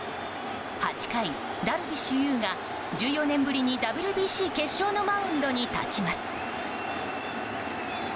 ８回、ダルビッシュ有が１４年ぶりにＷＢＣ決勝のマウンドに立ちます。